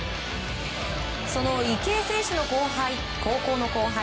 その池江選手の高校の後輩